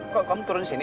kok kamu turun disini